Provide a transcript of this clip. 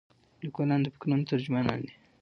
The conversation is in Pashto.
لیکوالان د فکرونو ترجمانان دي.